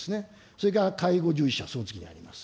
それから介護従事者、その次にあります。